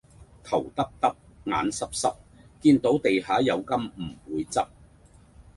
頭耷耷,眼濕濕,見到地下有金唔會執